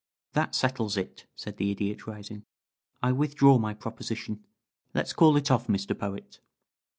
"That settles it," said the Idiot, rising. "I withdraw my proposition. Let's call it off, Mr. Poet."